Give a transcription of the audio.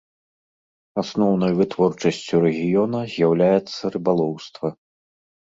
Асноўнай вытворчасцю рэгіёна з'яўляецца рыбалоўства.